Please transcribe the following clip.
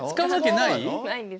ないです。